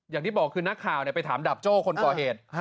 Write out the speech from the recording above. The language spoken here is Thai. อย่างที่บอกคือนักข่าวไปถามดาบโจ้คนก่อเหตุ